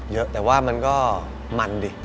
เยอะแต่ว่ามันก็มันดิ